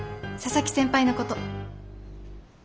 佐々木先輩のこと。